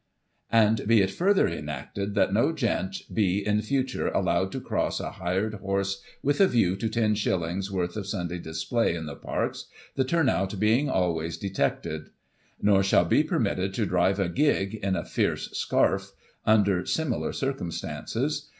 And be it further enacted that no Gent be, in future, zdlowed to cross a hired horse with a view to ten shillings worth of Sunday display in the Parks, the turnout being always detected ; nor shall be permitted to drive a gig, in a fierce scarf, under similar circumstances.